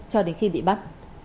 cho đến khi bị bắt